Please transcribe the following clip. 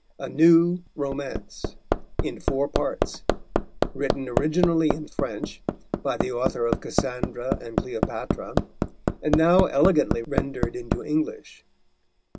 A New Romance. In four parts. Written originally in French, by the Author of Cassandra and Cleopatra: and now elegantly rendered into English.